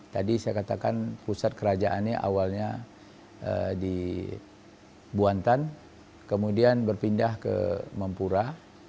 tadi saya katakan pusat kerajaan ini awalnya di buantan kemudian berpindah ke mempura